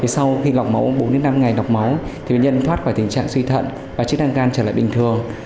sau khi lọc máu bốn năm ngày lọc máu bệnh nhân thoát khỏi tình trạng suy thận và chức năng gan trở lại bình thường